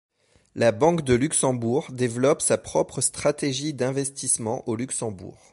La Banque de Luxembourg développe sa propre stratégie d’investissement au Luxembourg.